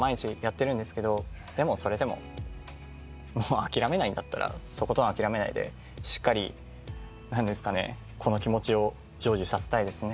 諦めないんだったらとことん諦めないでしっかりこの気持ちを成就させたいですね。